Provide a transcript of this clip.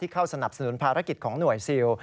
เข้าสนับสนุนภารกิจของหน่วยซิล